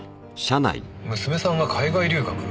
娘さんが海外留学。